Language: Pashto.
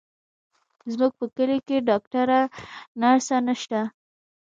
زموږ په کلي کې ډاکتره، نرسه نشته،